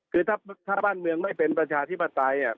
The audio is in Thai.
คือถ้าบ้านเมืองไม่เป็นประชาธิปไตย